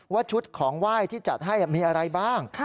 ชุดของไหว้ที่จัดให้มีอะไรบ้าง